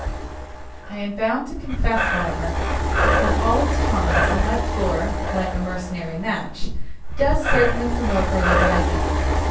I am bound to confess, however, that with all its charms a mud floor (like a mercenary match) does certainly promote early rising.